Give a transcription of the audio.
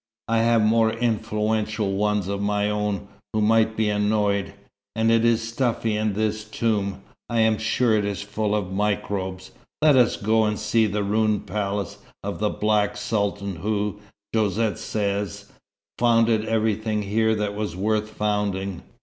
I have more influential ones of my own, who might be annoyed. And it is stuffy in this tomb. I am sure it is full of microbes. Let us go and see the ruined palace of the Black Sultan who, Josette says, founded everything here that was worth founding.